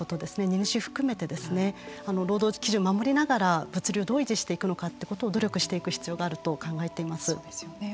荷主を含めて労働基準を守りながら物流をどう維持していくのかということを努力していく必要があると考えてます。